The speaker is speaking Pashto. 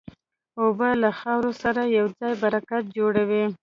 اوبه له خاورې سره یوځای برکت جوړوي.